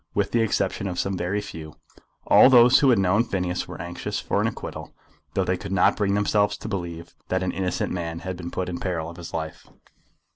With the exception of some very few, all those who had known Phineas were anxious for an acquittal, though they could not bring themselves to believe that an innocent man had been put in peril of his life.